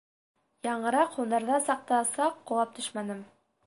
Яңыраҡ һунарҙа саҡта саҡ ҡолап төшмәнем.